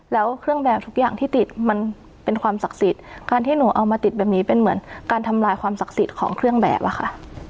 แล้วเครื่องแบบทุกอย่างที่ติดมันเป็นความศักดิ์สิทธิ์การที่หนูเอามาติดแบบนี้เป็นเหมือนการทำลายความศักดิ์สิทธิ์ของเครื่องแบบอะค่ะ